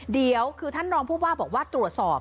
เดี๋ยวคือท่านรองผู้ว่าบอกว่าตรวจสอบ